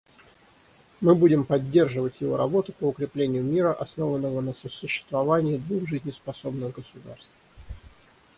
Мы будем поддерживать его работу по укреплению мира, основанного на сосуществовании двух жизнеспособных государств.